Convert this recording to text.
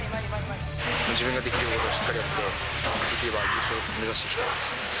自分ができることをしっかりやって、できれば優勝を目指していきたいです。